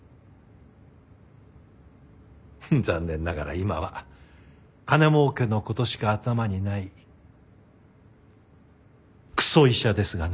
残念ながら今は金もうけの事しか頭にないクソ医者ですがね。